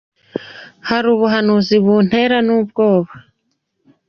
Hari ubuhanuzi buntera nubwoba